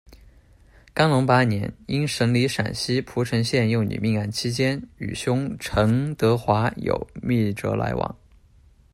干隆八年，因审理陕西蒲城县幼女命案期间，与兄陈惪华有密折来往。